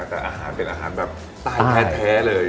แต่อาหารเป็นอาหารแบบไตล์แท้เลย